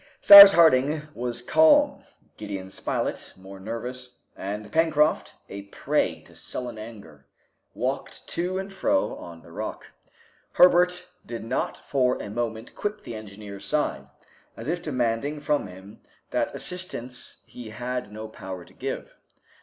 Cyrus Harding was calm, Gideon Spilett more nervous, and Pencroft, a prey to sullen anger, walked to and fro on the rock. Herbert did not for a moment quit the engineer's side, as if demanding from him that assistance he had no power to give.